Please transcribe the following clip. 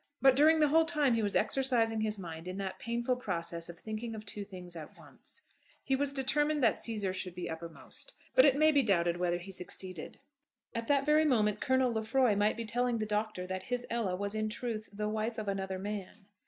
But during the whole time he was exercising his mind in that painful process of thinking of two things at once. He was determined that Cæsar should be uppermost; but it may be doubted whether he succeeded. At that very moment Colonel Lefroy might be telling the Doctor that his Ella was in truth the wife of another man.